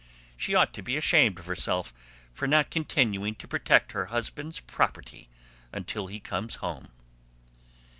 She ought to be ashamed of herself for not continuing to protect her husband's property until he comes home."